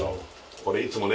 これいつもね